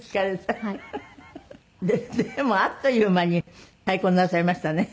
でもあっという間に再婚なさいましたね。